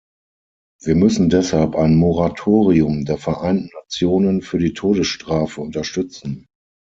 Wir müssen deshalb ein Moratorium der Vereinten Nationen für die Todesstrafe unterstützen.